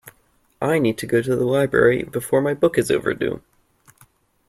I need to go to the library before my book is overdue.